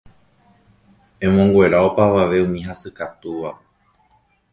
emonguera opavave umi hasykatúvape